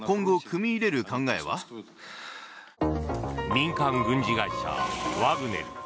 民間軍事会社ワグネル。